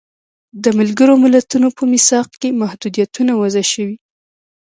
د ملګرو ملتونو په میثاق کې محدودیتونه وضع شوي.